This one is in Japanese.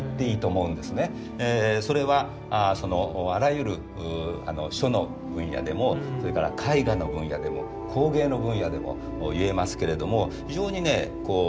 それはあらゆる書の分野でもそれから絵画の分野でも工芸の分野でもいえますけれども非常にねこうバランスがいい。